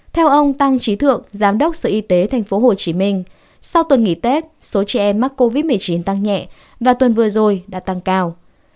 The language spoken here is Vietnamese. theo ông tăng trí thượng giám đốc sở y tế tp hcm sau tuần nghỉ tết số trẻ em mắc covid một mươi chín tăng nhẹ và tuần vừa rồi đã tăng cao